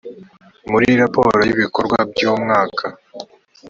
muri raporo y ibikorwa byu umwaka